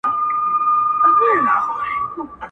د زینبي قلم مات سو؛ رنګ یې توی کړه له سینې خپل،